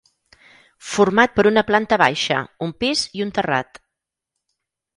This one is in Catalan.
Format per una planta baixa, un pis i un terrat.